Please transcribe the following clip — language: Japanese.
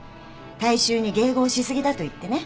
大衆に迎合し過ぎだといってね。